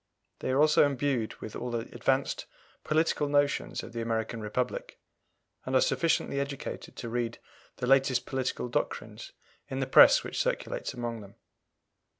They are also imbued with all the advanced political notions of the American Republic, and are sufficiently educated to read the latest political doctrines in the Press which circulates among them.